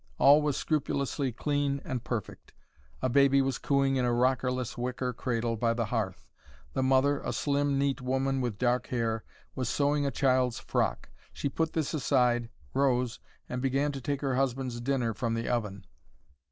All was scrupulously clean and perfect. A baby was cooing in a rocker less wicker cradle by the hearth. The mother, a slim, neat woman with dark hair, was sewing a child's frock. She put this aside, rose, and began to take her husband's dinner from the oven.